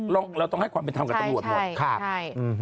เราต้องให้ความเป็นทางกับตรวจหมด